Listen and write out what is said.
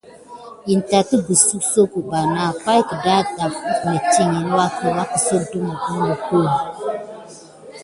Kine takisoya soko bana pay kedaba def metikut wake sok def.